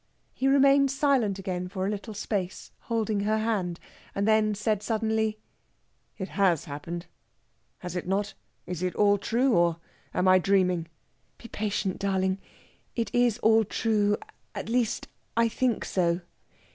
He remained silent again for a little space, holding her hand, and then said suddenly: "It has happened, has it not? Is it all true, or am I dreaming?" "Be patient, darling. It is all true at least, I think so.